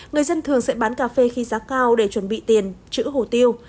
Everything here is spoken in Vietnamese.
người dân thường sẽ bán cà phê khi giá cao để chuẩn bị tiền chữ hồ tiêu